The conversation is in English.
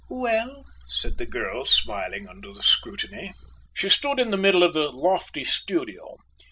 "Well?" said the girl, smiling under the scrutiny. She stood in the middle of the lofty studio.